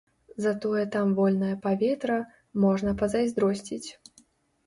Затое там вольнае паветра, можна пазайздросціць.